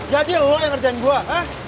jadi lo yang ngerjain gue hah